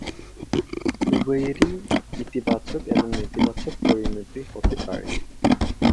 উভয়েরই ইতিবাচক এবং নেতিবাচক পরিণতি হতে পারে।